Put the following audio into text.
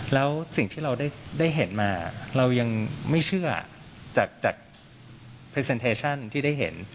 แล้วสิ่งที่เราได้เห็นมาเรายังไม่เชื่อจากที่เห็น